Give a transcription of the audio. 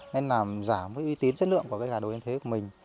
nên làm giảm với uy tín chất lượng của cái gà đồi yên thế của mình